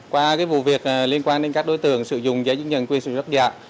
qua cái vụ việc liên quan đến các đối tượng sử dụng giấy chứng nhận quyền sử dụng đất giả